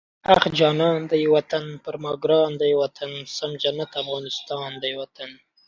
اخ جانان دی وطن، پر ما ګران دی وطن، سم جنت افغانستان دی وطن